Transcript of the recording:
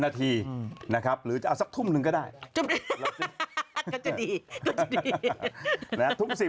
๑๐นาทีนะครับหรือซักทุ่มหนึ่งก็ได้